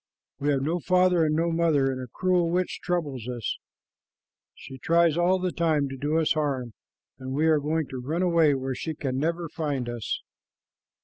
"We have no father and no mother, and a cruel witch troubles us. She tries all the time to do us harm, and we are going to run away where she can never find us."